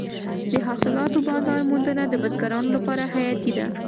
د حاصلاتو بازار موندنه د بزګرانو لپاره حیاتي ده.